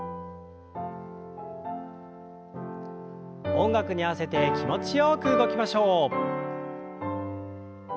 音楽に合わせて気持ちよく動きましょう。